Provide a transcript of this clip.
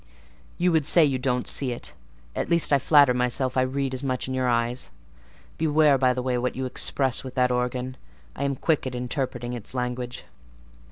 You would say you don't see it; at least I flatter myself I read as much in your eye (beware, by the bye, what you express with that organ; I am quick at interpreting its language).